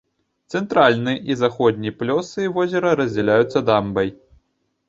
Цэнтральны і заходні плёсы возера раздзяляюцца дамбай.